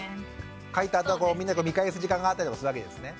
書いたあとはみんなで見返す時間があったりとかするわけですね？